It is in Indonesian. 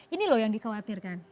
ini loh yang dikhawatirkan